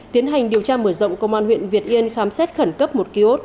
tiến hành điều tra mở rộng công an huyện việt yên khám xét khẩn cấp một ký ốt